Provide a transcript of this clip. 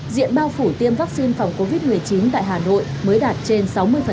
diện bao phủ tiêm vaccine phòng covid một mươi chín tại hà nội mới đạt trên sáu mươi